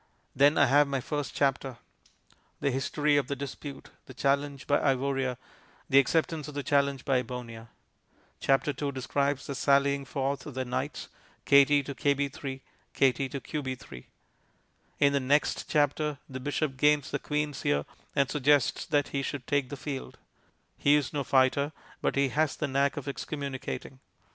There I have my first chapter: The history of the dispute, the challenge by Ivoria, the acceptance of the challenge by Ebonia. Chapter Two describes the sallying forth of the knights "Kt to KB3, Kt to QB3." In the next chapter the bishop gains the queen's ear and suggests that he should take the field. He is no fighter, but he has the knack of excommunicating.